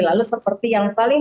lalu seperti yang paling